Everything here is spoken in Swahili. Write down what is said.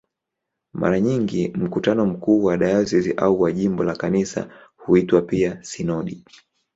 Mara nyingi mkutano mkuu wa dayosisi au wa jimbo la Kanisa huitwa pia "sinodi".